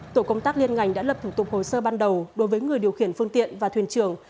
tổ công tác liên ngành đã lập thủ tục hồ sơ ban đầu đối với người điều khiển phương tiện và thuyền trưởng